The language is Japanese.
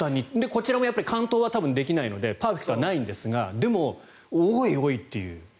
こちらもやっぱり完投はできないのでパーフェクトはないんですがでも、おいおいっていう。